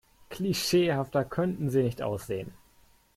Klischeehafter könnten Sie nicht aussehen.